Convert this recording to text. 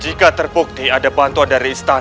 jika terbukti ada bantuan dari staff